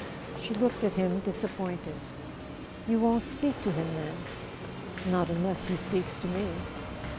She looked at him, disappointed. "You won't speak to him then ?" "Not unless he speaks to me."